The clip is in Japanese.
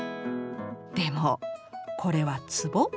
でもこれは壷？